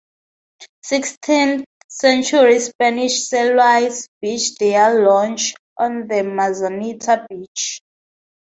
Sixteenth century Spanish sailors beach their launch on the Manzanita beach.